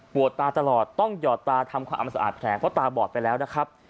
ตาตลอดต้องหยอดตาทำความอำสะอาดแผลเพราะตาบอดไปแล้วนะครับ